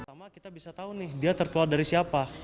pertama kita bisa tahu nih dia tertular dari siapa